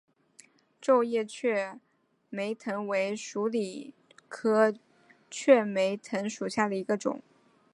皱叶雀梅藤为鼠李科雀梅藤属下的一个种。